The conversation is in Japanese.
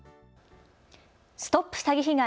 ＳＴＯＰ詐欺被害！